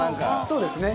そうですね。